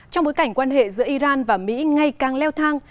trong bối cảnh quan hệ giữa iran và mỹ ngay càng leo thang